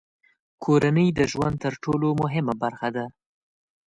کورنۍ د ژوند تر ټولو مهمه برخه ده.